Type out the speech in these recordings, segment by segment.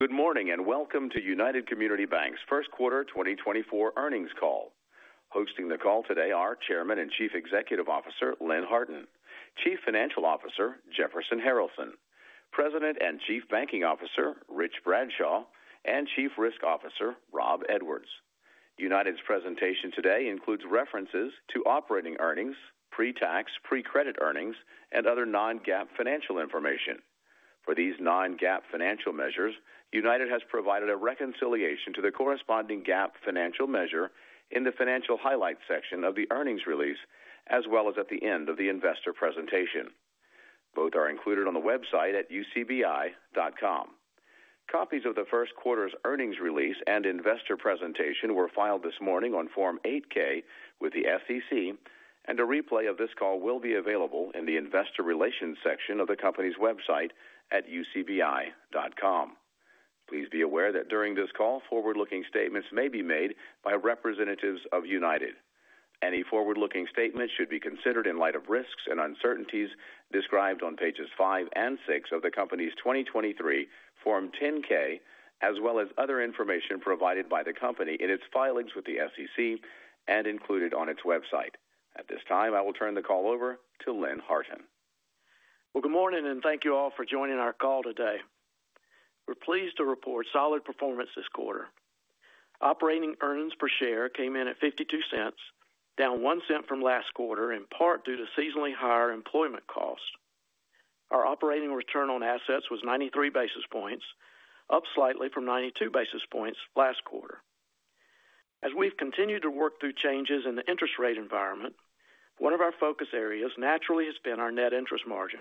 Good morning and welcome to United Community Banks' First Quarter 2024 Earnings Call. Hosting the call today are Chairman and Chief Executive Officer Lynn Harton, Chief Financial Officer Jefferson Harralson, President and Chief Banking Officer Rich Bradshaw, and Chief Risk Officer Rob Edwards. United's presentation today includes references to operating earnings, pre-tax, pre-credit earnings, and other non-GAAP financial information. For these non-GAAP financial measures, United has provided a reconciliation to the corresponding GAAP financial measure in the Financial Highlight section of the earnings release, as well as at the end of the investor presentation. Both are included on the website at ucbi.com. Copies of the first quarter's earnings release and investor presentation were filed this morning on Form 8-K with the SEC, and a replay of this call will be available in the Investor Relations section of the company's website at ucbi.com. Please be aware that during this call, forward-looking statements may be made by representatives of United. Any forward-looking statement should be considered in light of risks and uncertainties described on pages five and six of the company's 2023 Form 10-K, as well as other information provided by the company in its filings with the SEC and included on its website. At this time, I will turn the call over to Lynn Harton. Well, good morning, and thank you all for joining our call today. We're pleased to report solid performance this quarter. Operating earnings per share came in at $0.52, down $0.01 from last quarter, in part due to seasonally higher employment costs. Our operating return on assets was 93 basis points, up slightly from 92 basis points last quarter. As we've continued to work through changes in the interest rate environment, one of our focus areas naturally has been our net interest margin.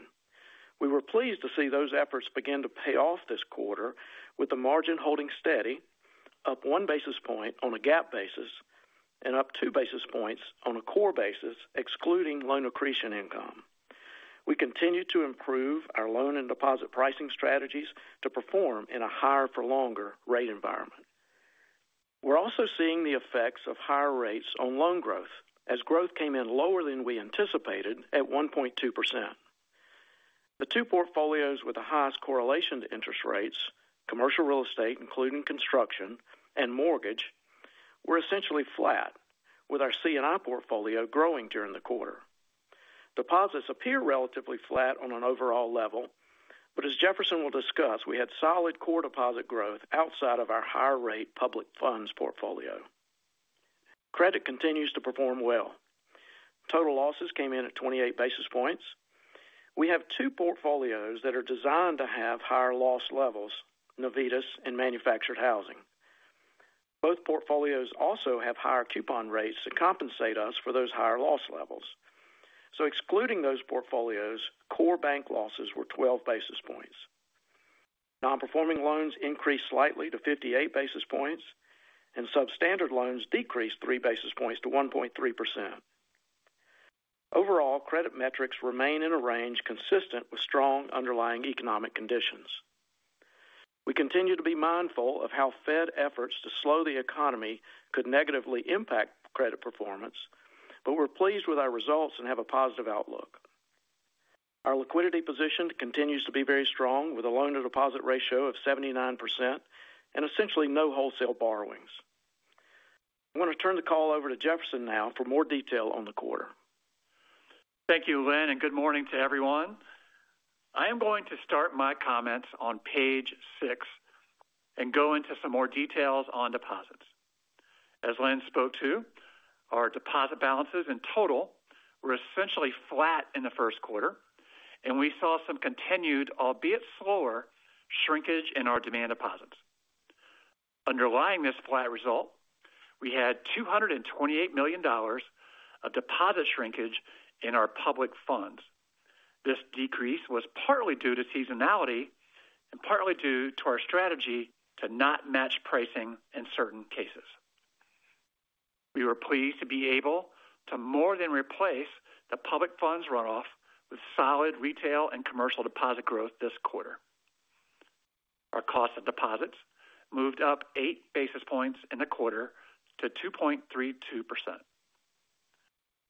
We were pleased to see those efforts begin to pay off this quarter, with the margin holding steady, up one basis point on a GAAP basis and up two basis points on a core basis excluding loan accretion income. We continue to improve our loan and deposit pricing strategies to perform in a higher-for-longer rate environment. We're also seeing the effects of higher rates on loan growth, as growth came in lower than we anticipated at 1.2%. The two portfolios with the highest correlation to interest rates, commercial real estate including construction and mortgage, were essentially flat, with our C&I portfolio growing during the quarter. Deposits appear relatively flat on an overall level, but as Jefferson will discuss, we had solid core deposit growth outside of our higher-rate public funds portfolio. Credit continues to perform well. Total losses came in at 28 basis points. We have two portfolios that are designed to have higher loss levels: Navitas and manufactured housing. Both portfolios also have higher coupon rates to compensate us for those higher loss levels. So excluding those portfolios, core bank losses were 12 basis points. Non-performing loans increased slightly to 58 basis points, and substandard loans decreased 3 basis points to 1.3%. Overall, credit metrics remain in a range consistent with strong underlying economic conditions. We continue to be mindful of how Fed efforts to slow the economy could negatively impact credit performance, but we're pleased with our results and have a positive outlook. Our liquidity position continues to be very strong, with a loan-to-deposit ratio of 79% and essentially no wholesale borrowings. I'm going to turn the call over to Jefferson now for more detail on the quarter. Thank you, Lynn, and good morning to everyone. I am going to start my comments on page 6 and go into some more details on deposits. As Lynn spoke to, our deposit balances in total were essentially flat in the first quarter, and we saw some continued, albeit slower, shrinkage in our demand deposits. Underlying this flat result, we had $228 million of deposit shrinkage in our public funds. This decrease was partly due to seasonality and partly due to our strategy to not match pricing in certain cases. We were pleased to be able to more than replace the public funds runoff with solid retail and commercial deposit growth this quarter. Our cost of deposits moved up 8 basis points in the quarter to 2.32%.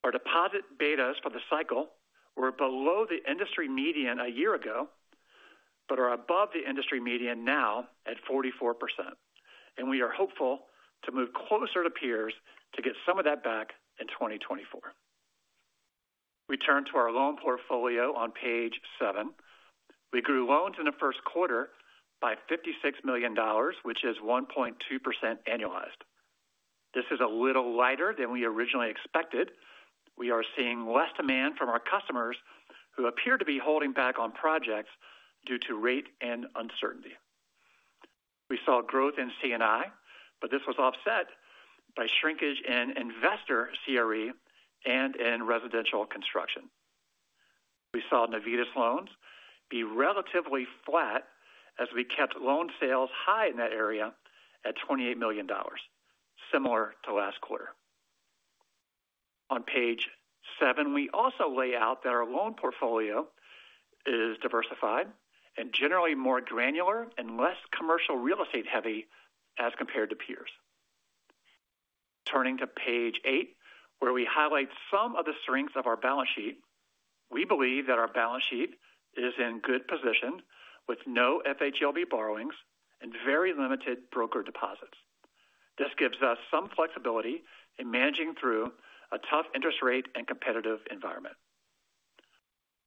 Our deposit betas for the cycle were below the industry median a year ago but are above the industry median now at 44%, and we are hopeful to move closer to peers to get some of that back in 2024. We turn to our loan portfolio on page 7. We grew loans in the first quarter by $56 million, which is 1.2% annualized. This is a little lighter than we originally expected. We are seeing less demand from our customers who appear to be holding back on projects due to rate and uncertainty. We saw growth in C&I, but this was offset by shrinkage in investor CRE and in residential construction. We saw Navitas loans be relatively flat as we kept loan sales high in that area at $28 million, similar to last quarter. On page 7, we also lay out that our loan portfolio is diversified and generally more granular and less commercial real estate heavy as compared to peers. Turning to page 8, where we highlight some of the strengths of our balance sheet, we believe that our balance sheet is in good position with no FHLB borrowings and very limited broker deposits. This gives us some flexibility in managing through a tough interest rate and competitive environment.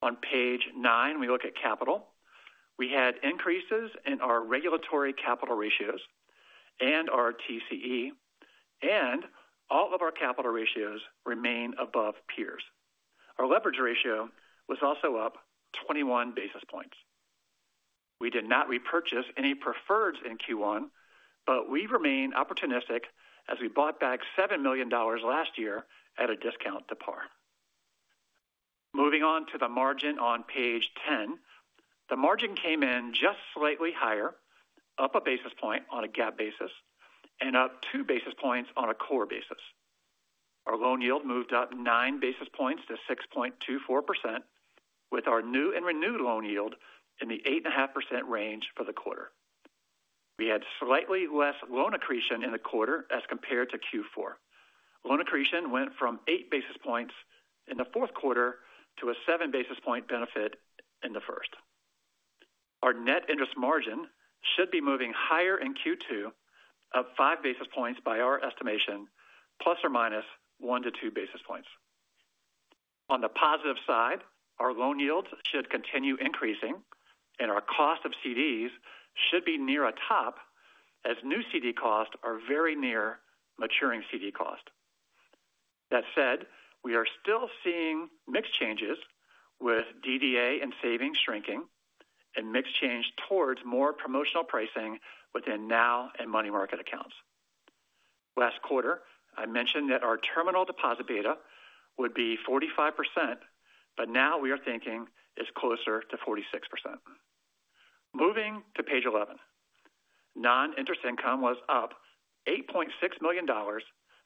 On page 9, we look at capital. We had increases in our regulatory capital ratios and our TCE, and all of our capital ratios remain above peers. Our leverage ratio was also up 21 basis points. We did not repurchase any preferreds in Q1, but we remain opportunistic as we bought back $7 million last year at a discount to par. Moving on to the margin on page 10, the margin came in just slightly higher, up 1 basis point on a GAAP basis and up 2 basis points on a core basis. Our loan yield moved up 9 basis points to 6.24%, with our new and renewed loan yield in the 8.5% range for the quarter. We had slightly less loan accretion in the quarter as compared to Q4. Loan accretion went from 8 basis points in the fourth quarter to a 7 basis point benefit in the first. Our net interest margin should be moving higher in Q2, up 5 basis points by our estimation, ±1-2 basis points. On the positive side, our loan yields should continue increasing, and our cost of CDs should be near a top as new CD costs are very near maturing CD costs. That said, we are still seeing mix changes with DDA and savings shrinking and mix change towards more promotional pricing within NOW and money market accounts. Last quarter, I mentioned that our terminal deposit beta would be 45%, but now we are thinking it's closer to 46%. Moving to page 11, non-interest income was up $8.6 million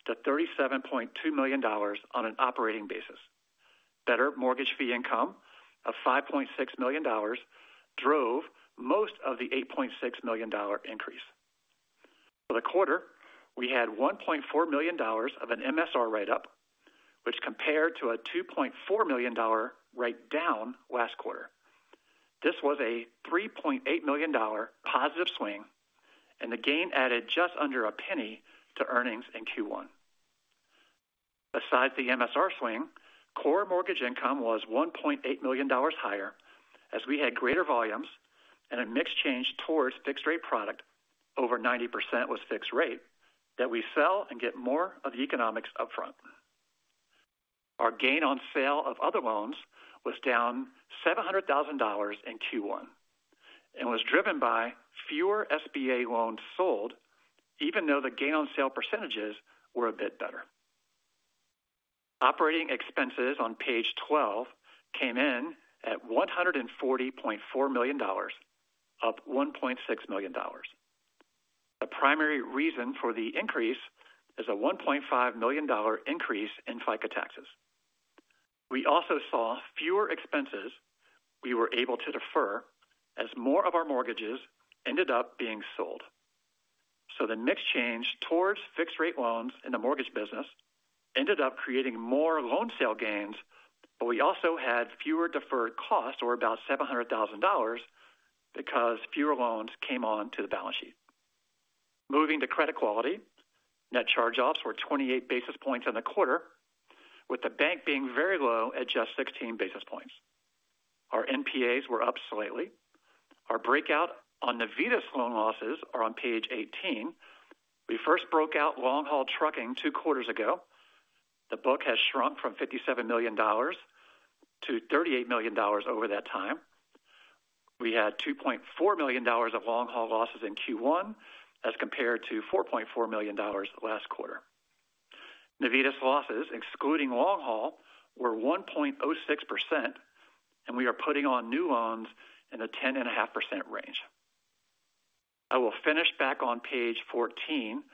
to $37.2 million on an operating basis. Better mortgage fee income of $5.6 million drove most of the $8.6 million increase. For the quarter, we had $1.4 million of an MSR write-up, which compared to a $2.4 million write-down last quarter. This was a $3.8 million positive swing, and the gain added just under a penny to earnings in Q1. Besides the MSR swing, core mortgage income was $1.8 million higher as we had greater volumes and a mix change towards fixed-rate product over 90% was fixed-rate that we sell and get more of the economics upfront. Our gain on sale of other loans was down $700,000 in Q1 and was driven by fewer SBA loans sold, even though the gain on sale percentages were a bit better. Operating expenses on page 12 came in at $140.4 million, up $1.6 million. The primary reason for the increase is a $1.5 million increase in FICA taxes. We also saw fewer expenses we were able to defer as more of our mortgages ended up being sold. So the mix change towards fixed-rate loans in the mortgage business ended up creating more loan sale gains, but we also had fewer deferred costs, or about $700,000, because fewer loans came on to the balance sheet. Moving to credit quality, net charge-offs were 28 basis points in the quarter, with the bank being very low at just 16 basis points. Our NPAs were up slightly. Our breakout on Navitas loan losses is on page 18. We first broke out long-haul trucking two quarters ago. The book has shrunk from $57 million to $38 million over that time. We had $2.4 million of long-haul losses in Q1 as compared to $4.4 million last quarter. Navitas losses, excluding long-haul, were 1.06%, and we are putting on new loans in the 10.5% range. I will finish back on page 14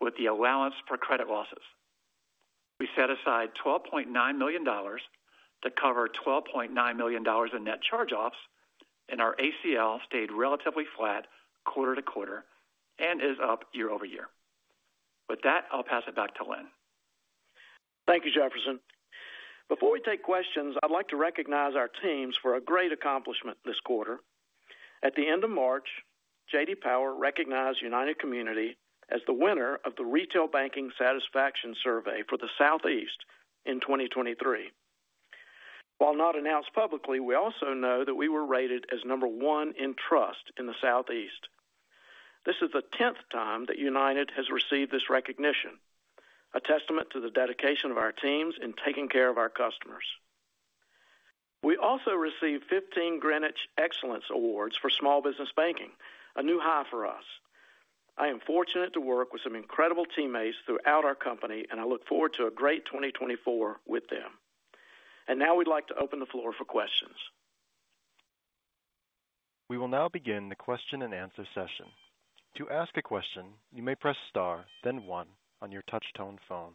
with the allowance for credit losses. We set aside $12.9 million to cover $12.9 million in net charge-offs, and our ACL stayed relatively flat quarter to quarter and is up year-over-year. With that, I'll pass it back to Lynn. Thank you, Jefferson. Before we take questions, I'd like to recognize our teams for a great accomplishment this quarter. At the end of March, J.D. Power recognized United Community as the winner of the Retail Banking Satisfaction Survey for the Southeast in 2023. While not announced publicly, we also know that we were rated as number one in trust in the Southeast. This is the tenth time that United has received this recognition, a testament to the dedication of our teams in taking care of our customers. We also received 15 Greenwich Excellence Awards for small business banking, a new high for us. I am fortunate to work with some incredible teammates throughout our company, and I look forward to a great 2024 with them. And now we'd like to open the floor for questions. We will now begin the question-and-answer session. To ask a question, you may press star then one on your touch-tone phone.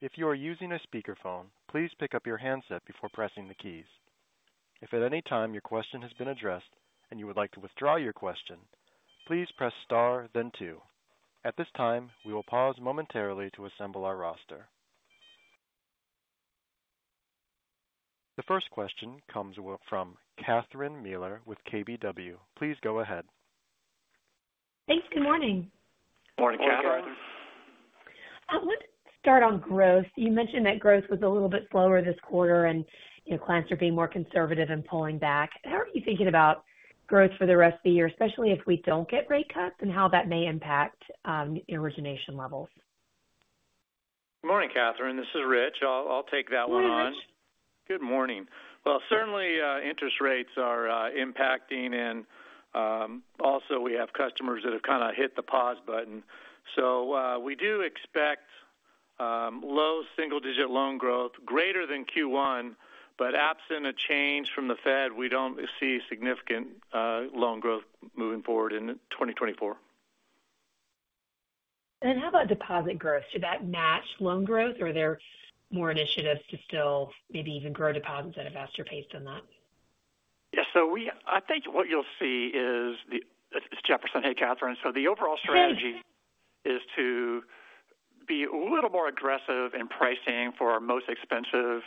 If you are using a speakerphone, please pick up your handset before pressing the keys. If at any time your question has been addressed and you would like to withdraw your question, please press star then two. At this time, we will pause momentarily to assemble our roster. The first question comes from Catherine Mealor with KBW. Please go ahead. Thanks. Good morning. Good morning, Catherine. Good morning. I want to start on growth. You mentioned that growth was a little bit slower this quarter and clients are being more conservative and pulling back. How are you thinking about growth for the rest of the year, especially if we don't get rate cuts, and how that may impact origination levels? Good morning, Catherine. This is Rich. I'll take that one on. Morning, Rich. Good morning. Well, certainly, interest rates are impacting, and also we have customers that have kind of hit the pause button. So we do expect low single-digit loan growth, greater than Q1, but absent a change from the Fed, we don't see significant loan growth moving forward in 2024. How about deposit growth? Should that match loan growth, or are there more initiatives to still maybe even grow deposits at a faster pace than that? Yeah. So I think what you'll see is it's Jefferson. Hey, Catherine. So the overall strategy is to be a little more aggressive in pricing for our most expensive depositors,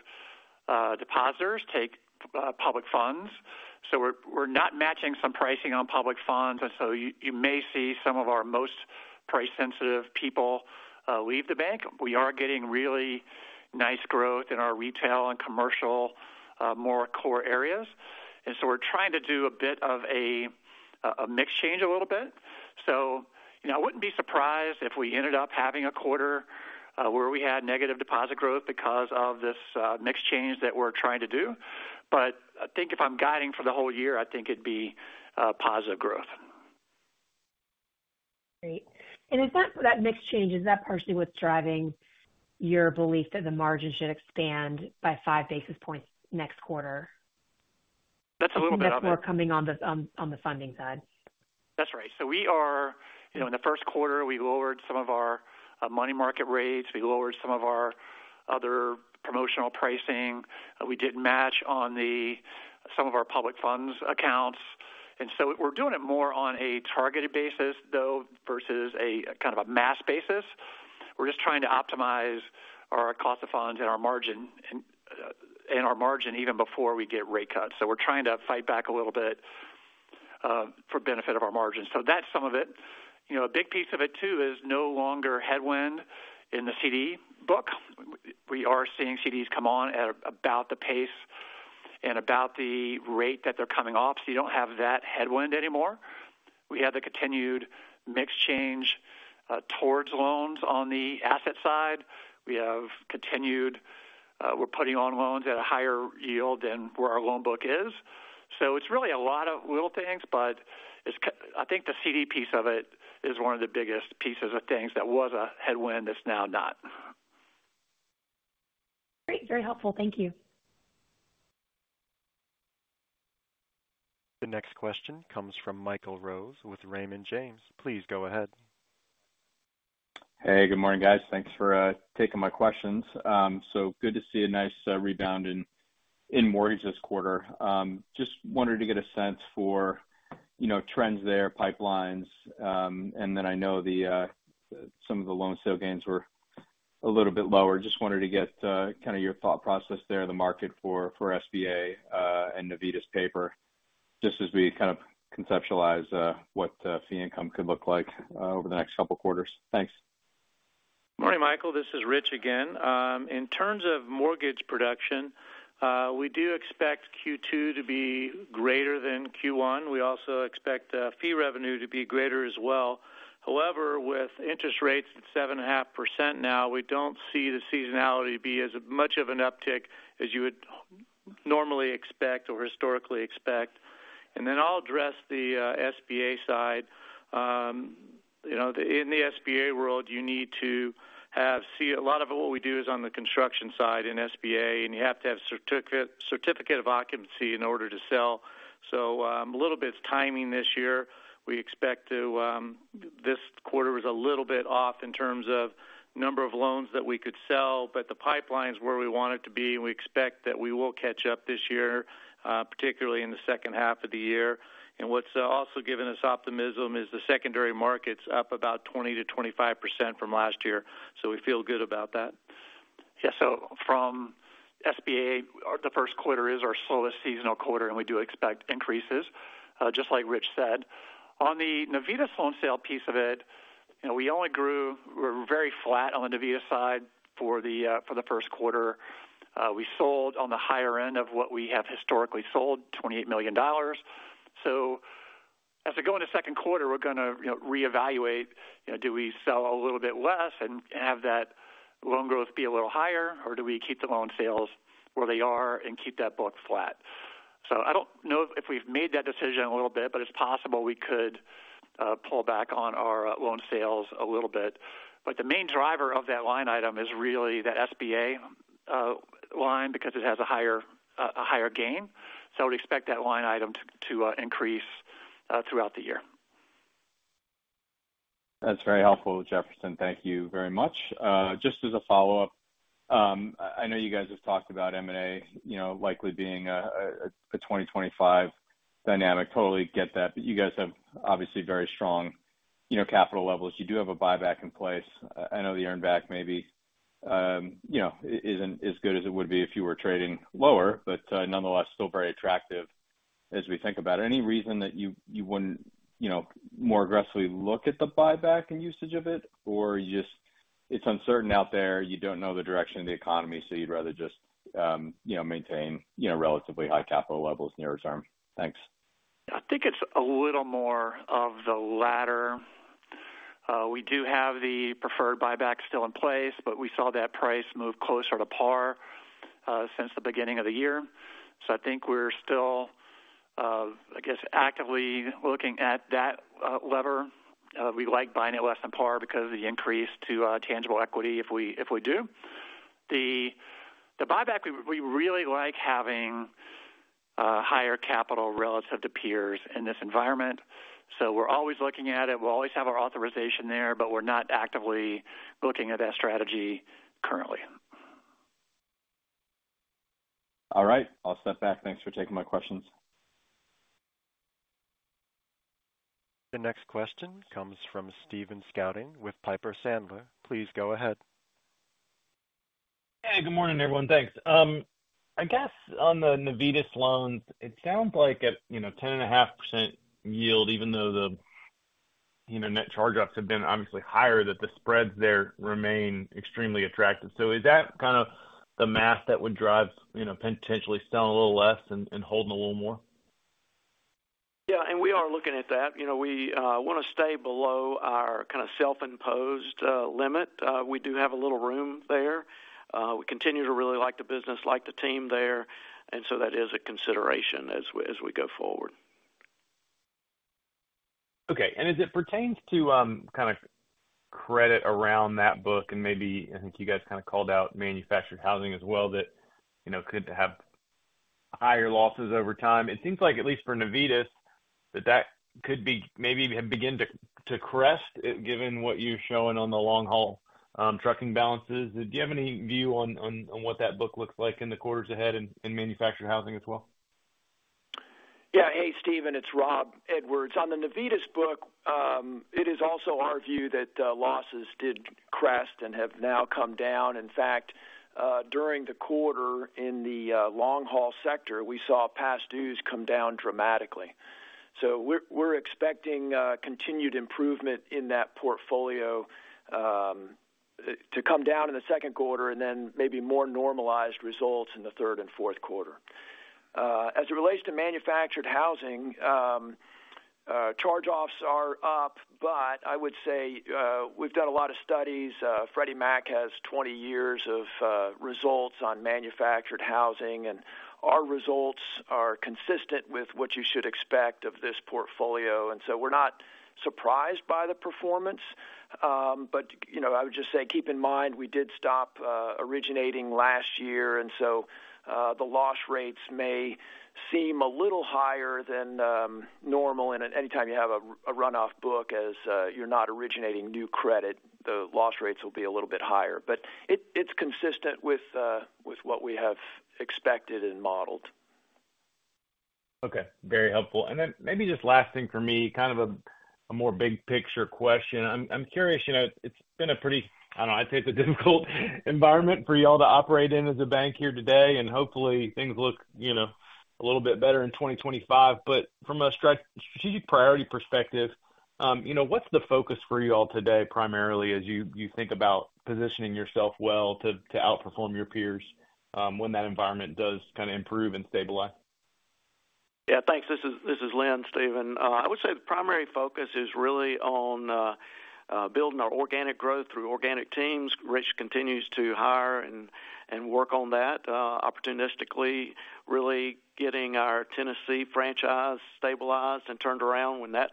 take public funds. So we're not matching some pricing on public funds, and so you may see some of our most price-sensitive people leave the bank. We are getting really nice growth in our retail and commercial, more core areas. And so we're trying to do a bit of a mix change a little bit. So I wouldn't be surprised if we ended up having a quarter where we had negative deposit growth because of this mix change that we're trying to do. But I think if I'm guiding for the whole year, I think it'd be positive growth. Great. And is that mix change partially what's driving your belief that the margin should expand by five basis points next quarter? That's a little bit of it. That's more coming on the funding side. That's right. So in the first quarter, we lowered some of our money market rates. We lowered some of our other promotional pricing. We didn't match on some of our public funds accounts. And so we're doing it more on a targeted basis, though, versus kind of a mass basis. We're just trying to optimize our cost of funds and our margin even before we get rate cuts. So we're trying to fight back a little bit for benefit of our margin. So that's some of it. A big piece of it, too, is no longer headwind in the CD book. We are seeing CDs come on at about the pace and about the rate that they're coming off. So you don't have that headwind anymore. We have the continued mix change towards loans on the asset side. We're putting on loans at a higher yield than where our loan book is. So it's really a lot of little things, but I think the CD piece of it is one of the biggest pieces of things that was a headwind that's now not. Great. Very helpful. Thank you. The next question comes from Michael Rose with Raymond James. Please go ahead. Hey, good morning, guys. Thanks for taking my questions. So good to see a nice rebound in mortgages this quarter. Just wanted to get a sense for trends there, pipelines. And then I know some of the loan sale gains were a little bit lower. Just wanted to get kind of your thought process there, the market for SBA and Navitas paper, just as we kind of conceptualize what fee income could look like over the next couple of quarters. Thanks. Morning, Michael. This is Rich again. In terms of mortgage production, we do expect Q2 to be greater than Q1. We also expect fee revenue to be greater as well. However, with interest rates at 7.5% now, we don't see the seasonality be as much of an uptick as you would normally expect or historically expect. And then I'll address the SBA side. In the SBA world, you need to have a lot of what we do is on the construction side in SBA, and you have to have a certificate of occupancy in order to sell. So a little bit of timing this year. We expect this quarter was a little bit off in terms of number of loans that we could sell, but the pipeline is where we want it to be, and we expect that we will catch up this year, particularly in the second half of the year. And what's also given us optimism is the secondary markets up about 20%-25% from last year. So we feel good about that. Yeah. So from SBA, the first quarter is our slowest seasonal quarter, and we do expect increases, just like Rich said. On the Navitas loan sale piece of it, we were very flat on the Navitas side for the first quarter. We sold on the higher end of what we have historically sold, $28 million. As we go into second quarter, we're going to reevaluate, do we sell a little bit less and have that loan growth be a little higher, or do we keep the loan sales where they are and keep that book flat? I don't know if we've made that decision a little bit, but it's possible we could pull back on our loan sales a little bit. The main driver of that line item is really that SBA line because it has a higher gain. I would expect that line item to increase throughout the year. That's very helpful, Jefferson. Thank you very much. Just as a follow-up, I know you guys have talked about M&A likely being a 2025 dynamic. Totally get that. But you guys have obviously very strong capital levels. You do have a buyback in place. I know the earnback maybe isn't as good as it would be if you were trading lower, but nonetheless, still very attractive as we think about it. Any reason that you wouldn't more aggressively look at the buyback and usage of it, or it's uncertain out there, you don't know the direction of the economy, so you'd rather just maintain relatively high capital levels near term? Thanks. I think it's a little more of the latter. We do have the preferred buyback still in place, but we saw that price move closer to par since the beginning of the year. So I think we're still, I guess, actively looking at that lever. We like buying it less than par because of the increase to tangible equity if we do. The buyback, we really like having higher capital relative to peers in this environment. So we're always looking at it. We'll always have our authorization there, but we're not actively looking at that strategy currently. All right. I'll step back. Thanks for taking my questions. The next question comes from Stephen Scouten with Piper Sandler. Please go ahead. Hey, good morning, everyone. Thanks. I guess on the Navitas loans, it sounds like a 10.5% yield, even though the net charge-offs have been obviously higher, that the spreads there remain extremely attractive. So is that kind of the math that would drive potentially selling a little less and holding a little more? Yeah. And we are looking at that. We want to stay below our kind of self-imposed limit. We do have a little room there. We continue to really like the business, like the team there. And so that is a consideration as we go forward. Okay. And as it pertains to kind of credit around that book, and maybe I think you guys kind of called out manufactured housing as well that could have higher losses over time, it seems like, at least for Navitas, that that could maybe have begun to crest given what you're showing on the long-haul trucking balances. Do you have any view on what that book looks like in the quarters ahead in manufactured housing as well? Yeah. Hey, Steven. It's Rob Edwards. On the Navitas book, it is also our view that losses did crest and have now come down. In fact, during the quarter in the long-haul sector, we saw past dues come down dramatically. So we're expecting continued improvement in that portfolio to come down in the second quarter and then maybe more normalized results in the third and fourth quarter. As it relates to manufactured housing, charge-offs are up, but I would say we've done a lot of studies. Freddie Mac has 20 years of results on manufactured housing, and our results are consistent with what you should expect of this portfolio. And so we're not surprised by the performance. But I would just say keep in mind we did stop originating last year, and so the loss rates may seem a little higher than normal. Anytime you have a runoff book as you're not originating new credit, the loss rates will be a little bit higher. But it's consistent with what we have expected and modeled. Okay. Very helpful. And then maybe just last thing for me, kind of a more big picture question. I'm curious. It's been a pretty I don't know. I'd say it's a difficult environment for y'all to operate in as a bank here today, and hopefully, things look a little bit better in 2025. But from a strategic priority perspective, what's the focus for you all today primarily as you think about positioning yourself well to outperform your peers when that environment does kind of improve and stabilize? Yeah. Thanks. This is Lynn, Steven. I would say the primary focus is really on building our organic growth through organic teams. Rich continues to hire and work on that opportunistically, really getting our Tennessee franchise stabilized and turned around when that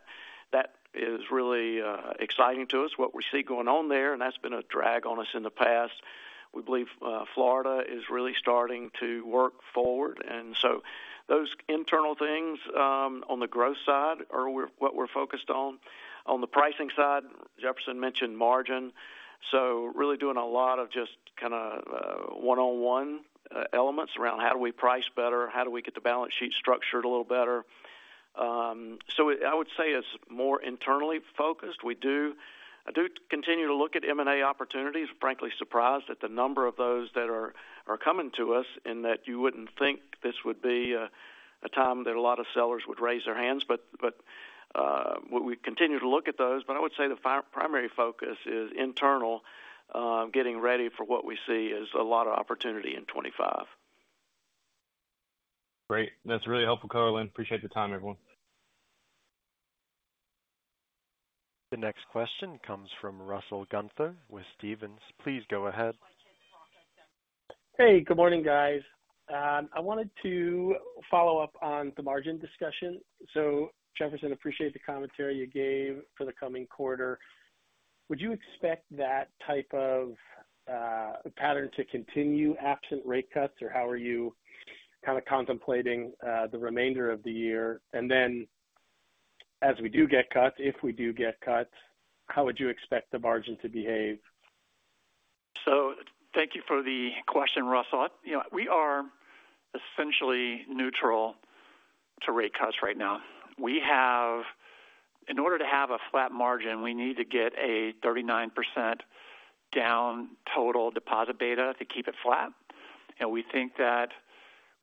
is really exciting to us, what we see going on there. And that's been a drag on us in the past. We believe Florida is really starting to work forward. And so those internal things on the growth side are what we're focused on. On the pricing side, Jefferson mentioned margin. So really doing a lot of just kind of one-on-one elements around how do we price better, how do we get the balance sheet structured a little better. So I would say it's more internally focused. I do continue to look at M&A opportunities. Frankly surprised at the number of those that are coming to us in that you wouldn't think this would be a time that a lot of sellers would raise their hands. But we continue to look at those. But I would say the primary focus is internal, getting ready for what we see as a lot of opportunity in 2025. Great. That's really helpful, color, Lynn. Appreciate the time, everyone. The next question comes from Russell Gunther with Stephens. Please go ahead. Hey, good morning, guys. I wanted to follow up on the margin discussion. So, Jefferson, appreciate the commentary you gave for the coming quarter. Would you expect that type of pattern to continue absent rate cuts, or how are you kind of contemplating the remainder of the year? And then as we do get cuts, if we do get cuts, how would you expect the margin to behave? So thank you for the question, Russell. We are essentially neutral to rate cuts right now. In order to have a flat margin, we need to get a 39% down total deposit beta to keep it flat. And we think that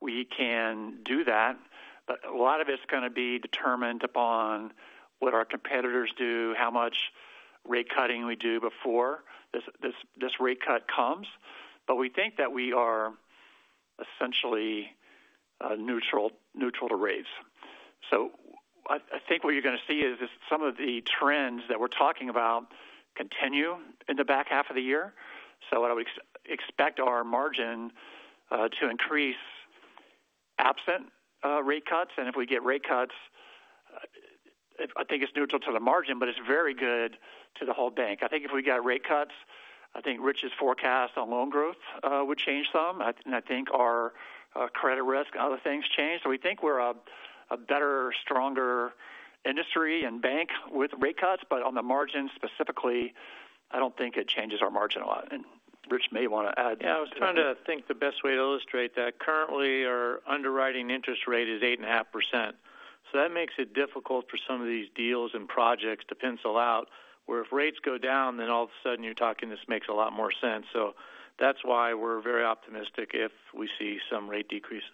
we can do that. But a lot of it's going to be determined upon what our competitors do, how much rate cutting we do before this rate cut comes. But we think that we are essentially neutral to rates. So I think what you're going to see is some of the trends that we're talking about continue in the back half of the year. So I expect our margin to increase absent rate cuts. And if we get rate cuts, I think it's neutral to the margin, but it's very good to the whole bank. I think if we got rate cuts, I think Rich's forecast on loan growth would change some. I think our credit risk and other things change. So we think we're a better, stronger industry and bank with rate cuts. But on the margin specifically, I don't think it changes our margin a lot. And Rich may want to add. Yeah. I was trying to think the best way to illustrate that. Currently, our underwriting interest rate is 8.5%. So that makes it difficult for some of these deals and projects to pencil out, where if rates go down, then all of a sudden, you're talking this makes a lot more sense. So that's why we're very optimistic if we see some rate decreases.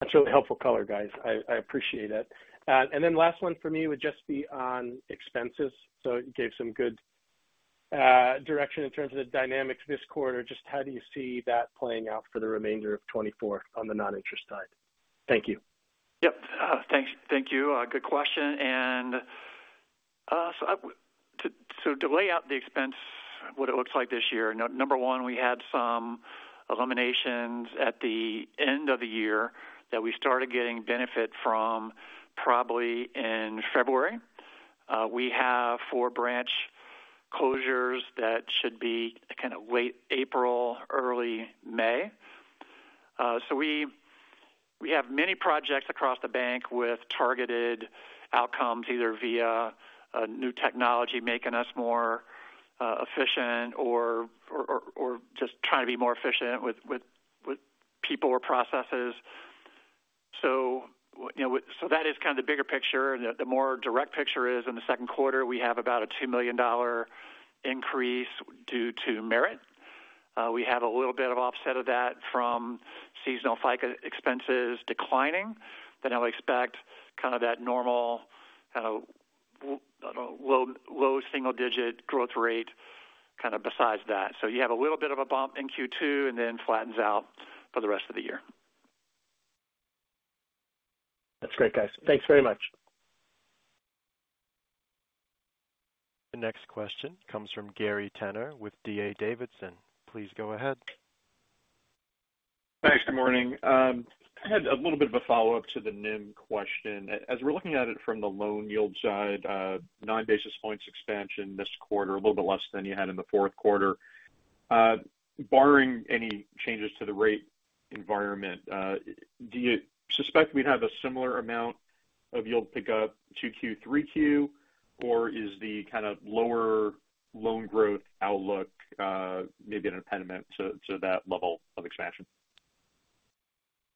That's really helpful color, guys. I appreciate it. And then last one for me would just be on expenses. So you gave some good direction in terms of the dynamics this quarter. Just how do you see that playing out for the remainder of 2024 on the non-interest side? Thank you. Yep. Thank you. Good question. And so to lay out the expense, what it looks like this year, number one, we had some eliminations at the end of the year that we started getting benefit from probably in February. We have four branch closures that should be kind of late April, early May. So we have many projects across the bank with targeted outcomes, either via new technology making us more efficient or just trying to be more efficient with people or processes. So that is kind of the bigger picture. The more direct picture is, in the second quarter, we have about a $2 million increase due to merit. We have a little bit of offset of that from seasonal FICA expenses declining. Then I would expect kind of that normal kind of low single-digit growth rate kind of besides that. So you have a little bit of a bump in Q2 and then flattens out for the rest of the year. That's great, guys. Thanks very much. The next question comes from Gary Tenner with D.A. Davidson. Please go ahead. Thanks. Good morning. I had a little bit of a follow-up to the NIM question. As we're looking at it from the loan yield side, 9 basis points expansion this quarter, a little bit less than you had in the fourth quarter. Barring any changes to the rate environment, do you suspect we'd have a similar amount of yield pickup QQ, QQ, or is the kind of lower loan growth outlook maybe an impediment to that level of expansion?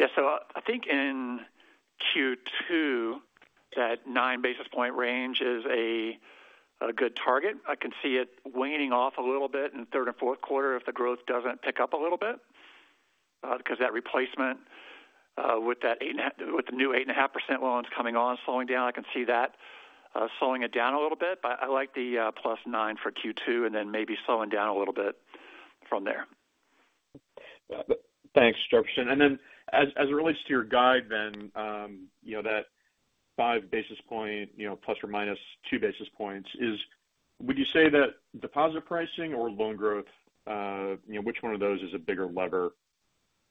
Yeah. So I think in Q2, that 9 basis point range is a good target. I can see it waning off a little bit in third and fourth quarter if the growth doesn't pick up a little bit because that replacement with the new 8.5% loans coming on, slowing down, I can see that slowing it down a little bit. But I like the +9 for Q2 and then maybe slowing down a little bit from there. Thanks, Jefferson. And then as it relates to your guide, then, that 5 basis point ±2 basis points, would you say that deposit pricing or loan growth, which one of those is a bigger lever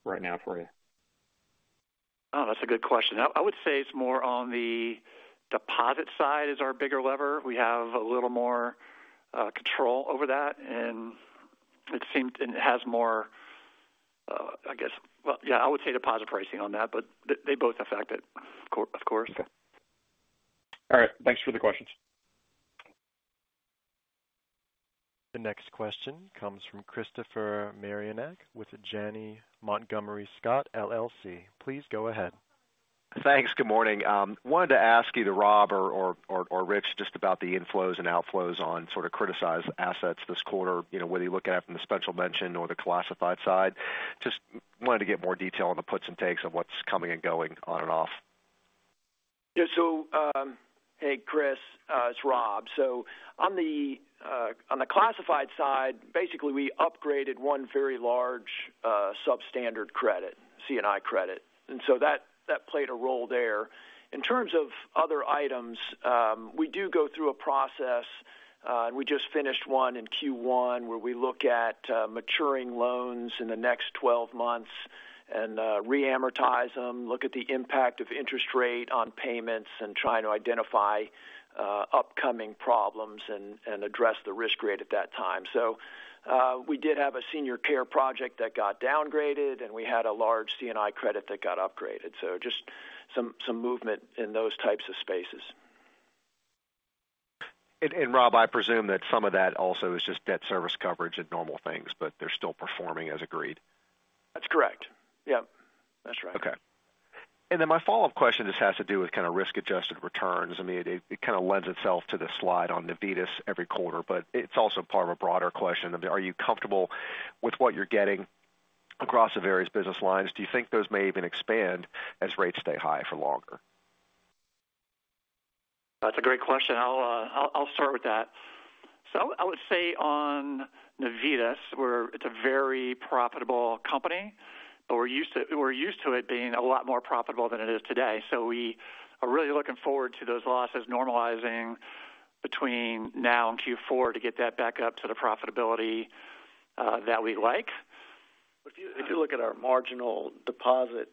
right now for you? Oh, that's a good question. I would say it's more on the deposit side is our bigger lever. We have a little more control over that. And it has more, I guess well, yeah, I would say deposit pricing on that, but they both affect it, of course. Okay. All right. Thanks for the questions. The next question comes from Christopher Marinac with Janney Montgomery Scott, LLC. Please go ahead. Thanks. Good morning. Wanted to ask either Rob or Rich just about the inflows and outflows on sort of criticized assets this quarter, whether you look at it from the special mention or the classified side. Just wanted to get more detail on the puts and takes of what's coming and going on and off. Yeah. So hey, Chris. It's Rob. So on the classified side, basically, we upgraded one very large substandard credit, C&I credit. And so that played a role there. In terms of other items, we do go through a process, and we just finished one in Q1 where we look at maturing loans in the next 12 months and re-amortize them, look at the impact of interest rate on payments, and try to identify upcoming problems and address the risk rate at that time. So we did have a senior care project that got downgraded, and we had a large C&I credit that got upgraded. So just some movement in those types of spaces. Rob, I presume that some of that also is just debt service coverage and normal things, but they're still performing as agreed. That's correct. Yep. That's right. Okay. And then my follow-up question just has to do with kind of risk-adjusted returns. I mean, it kind of lends itself to the slide on Navitas every quarter, but it's also part of a broader question of are you comfortable with what you're getting across the various business lines? Do you think those may even expand as rates stay high for longer? That's a great question. I'll start with that. So I would say on Navitas, it's a very profitable company, but we're used to it being a lot more profitable than it is today. So we are really looking forward to those losses normalizing between now and Q4 to get that back up to the profitability that we like. If you look at our marginal deposit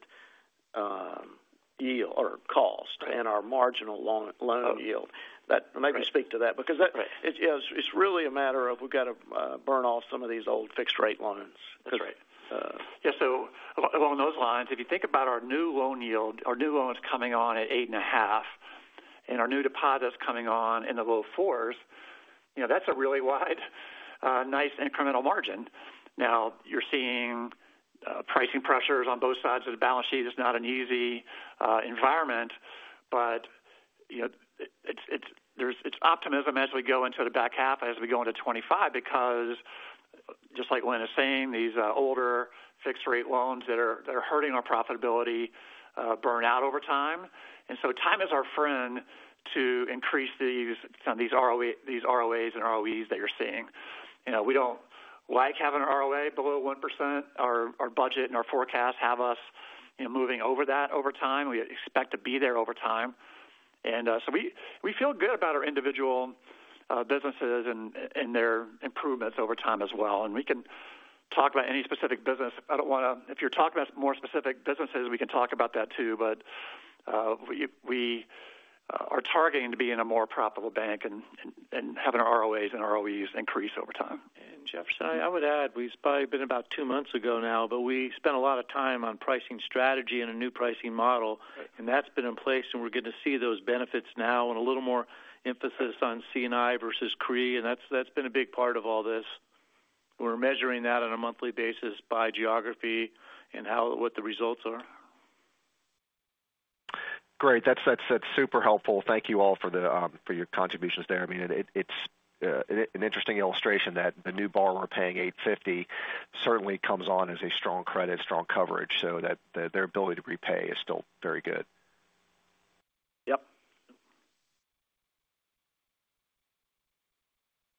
yield or cost and our marginal loan yield, that may speak to that because it's really a matter of we've got to burn off some of these old fixed-rate loans. That's right. Yeah. So along those lines, if you think about our new loan yield, our new loans coming on at 8.5% and our new deposits coming on in the low fours, that's a really wide, nice incremental margin. Now, you're seeing pricing pressures on both sides of the balance sheet. It's not an easy environment, but it's optimism as we go into the back half, as we go into 2025, because just like Lynn is saying, these older fixed-rate loans that are hurting our profitability burn out over time. And so time is our friend to increase these ROAs and ROEs that you're seeing. We don't like having an ROA below 1%. Our budget and our forecast have us moving over that over time. We expect to be there over time. And so we feel good about our individual businesses and their improvements over time as well. We can talk about any specific business. I don't want to. If you're talking about more specific businesses, we can talk about that too. But we are targeting to be in a more profitable bank and having our ROAs and ROEs increase over time. Jefferson, I would add, it's probably been about two months ago now, but we spent a lot of time on pricing strategy and a new pricing model. That's been in place, and we're going to see those benefits now with a little more emphasis on C&I versus CRE. That's been a big part of all this. We're measuring that on a monthly basis by geography and what the results are. Great. That's super helpful. Thank you all for your contributions there. I mean, it's an interesting illustration that the new borrower paying 850 certainly comes on as a strong credit, strong coverage, so that their ability to repay is still very good.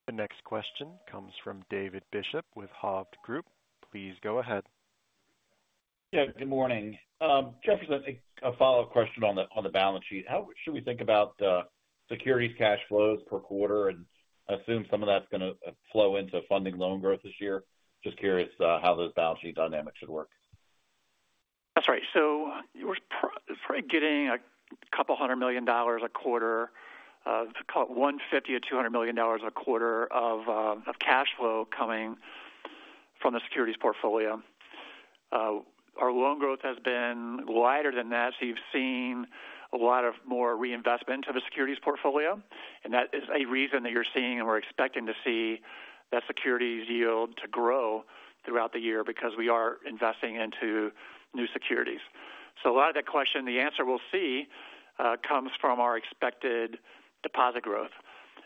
Yep. The next question comes from David Bishop with Hovde Group. Please go ahead. Yeah. Good morning. Jefferson, a follow-up question on the balance sheet. How should we think about securities cash flows per quarter and assume some of that's going to flow into funding loan growth this year? Just curious how those balance sheet dynamics should work. That's right. So we're probably getting $200 million a quarter, call it $150 million-$200 million a quarter of cash flow coming from the securities portfolio. Our loan growth has been lighter than that. So you've seen a lot more reinvestment into the securities portfolio. And that is a reason that you're seeing and we're expecting to see that securities yield to grow throughout the year because we are investing into new securities. So a lot of that question, the answer we'll see comes from our expected deposit growth.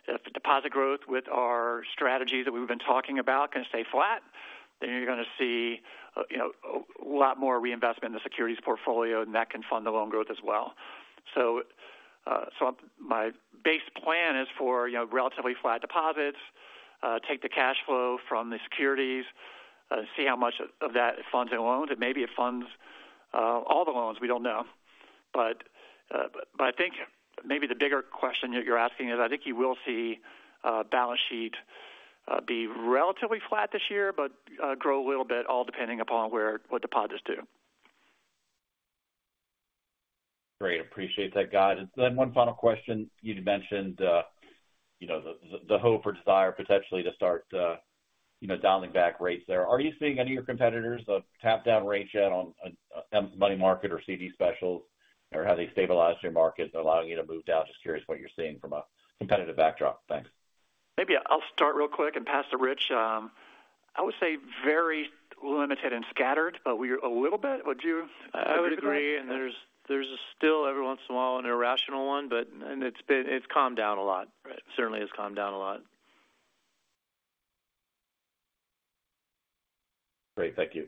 If deposit growth with our strategies that we've been talking about can stay flat, then you're going to see a lot more reinvestment in the securities portfolio, and that can fund the loan growth as well. My base plan is for relatively flat deposits, take the cash flow from the securities, and see how much of that it funds in loans. Maybe it funds all the loans. We don't know. But I think maybe the bigger question you're asking is I think you will see balance sheet be relatively flat this year but grow a little bit, all depending upon what deposits do. Great. Appreciate that guide. Then one final question. You'd mentioned the hope or desire potentially to start dialing back rates there. Are you seeing any of your competitors tap down rates yet on money market or CD specials, or have they stabilized your markets or allowing you to move down? Just curious what you're seeing from a competitive backdrop. Thanks. Maybe I'll start real quick and pass to Rich. I would say very limited and scattered, but we are a little bit. Would you agree? I would agree. There's still every once in a while an irrational one, but it's calmed down a lot. It certainly has calmed down a lot. Great. Thank you.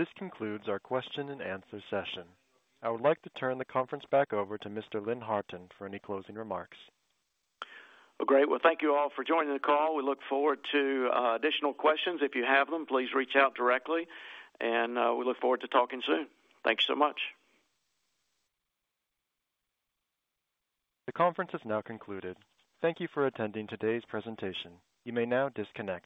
This concludes our question and answer session. I would like to turn the conference back over to Mr. Lynn Harton for any closing remarks. Well, great. Well, thank you all for joining the call. We look forward to additional questions. If you have them, please reach out directly, and we look forward to talking soon. Thank you so much. The conference has now concluded. Thank you for attending today's presentation. You may now disconnect.